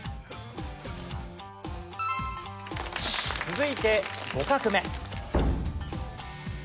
続いて５画目。